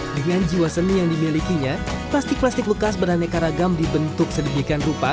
dengan jiwa seni yang dimilikinya plastik plastik bekas beraneka ragam dibentuk sedemikian rupa